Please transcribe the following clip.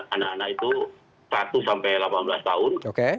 anak anak itu satu sampai delapan belas tahun